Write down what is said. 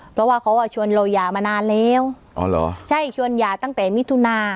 เพราะว่าเขาอ่ะชวนเราหย่ามานานแล้วอ๋อเหรอใช่ชวนหย่าตั้งแต่มิถุนา